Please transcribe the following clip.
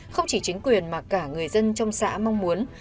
không chỉ chính quyền mà cả người dân trong xã mong muốn